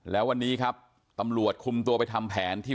แล้ววันนี้ครับตำรวจคุมตัวไปทำแผนที่